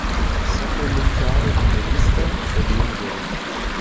Schacholympiade in Elista verliehen wurde.